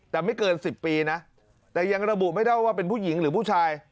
แต่ไม่เกิน๑๐ปีนะแต่ยังระบุไม่ได้ว่าเป็นผู้หญิงหรือผู้ชาย